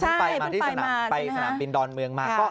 ใช่มันต้องไปมาที่สนามบินดอนเมืองมาก